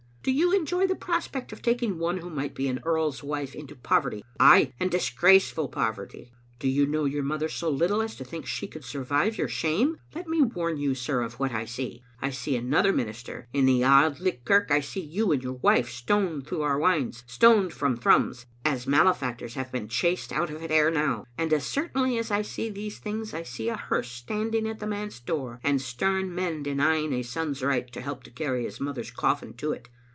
Do you enjoy the prospect of taking one who might be an earl's wife into poverty — ay, and disgraceful poverty? Do you know your mother so little as to think she could survive your shame? Let me warn you, sir, of what I see. I see another minister in the Auld Licht kirk, I see you and your wife stoned through our wynds, stoned from Thrums, as malefactors have been chased out of it ere now ; and as certainly as I see these things I see a hearse standing at the manse door, and stem men denying a son's right to help to carry his mother's coffin to it.